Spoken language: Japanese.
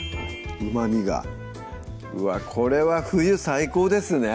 うまみがうわこれは冬最高ですね